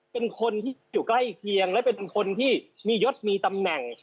เป็นคนที่อยู่ใกล้เคียงและเป็นคนที่มียศมีตำแหน่ง